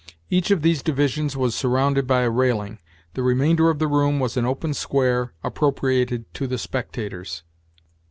Each of these divisions was surrounded by a railing. The remainder of the room was an open square, appropriated to the spectators.